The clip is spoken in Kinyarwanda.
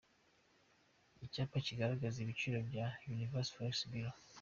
Icyapa kigaragaza ibiciro bya Universal forex bureau.